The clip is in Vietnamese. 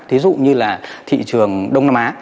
thí dụ như là thị trường đông nam á